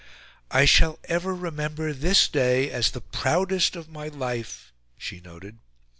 "I shall ever remember this day as the PROUDEST of my life," she noted.